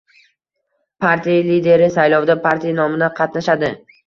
Partiya lideri saylovda partiya nomidan qatnashadi.